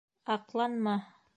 Аҡланма!